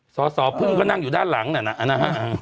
สอสอพึ่งก็นั่งอยู่ด้านหลังนั่นน่ะนะฮะ